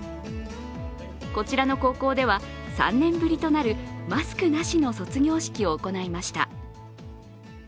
こちらの高校では３年ぶりとなるマスクなしの卒業式を行いました。